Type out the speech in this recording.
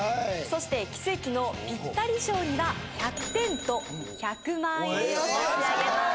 そして奇跡のピッタリ賞には１００点と１００万円を差し上げます